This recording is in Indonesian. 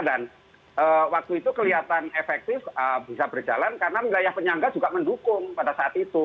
dan waktu itu kelihatan efektif bisa berjalan karena milayah penyangga juga mendukung pada saat itu